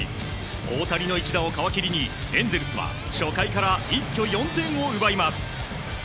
大谷の一打を皮切りにエンゼルスは初回から一挙４点を奪います。